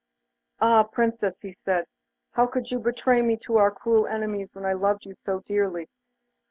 'Ah, Princess!' he said, 'how could you betray me to our cruel enemies when I loved you so dearly?